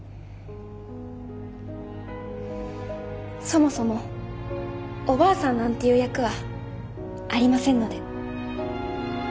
そもそもおばあさんなんていう役はありませんので。